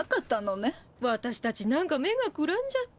わたしたちなんか目がくらんじゃって。